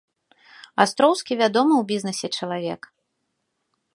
Астроўскі вядомы ў бізнэсе чалавек.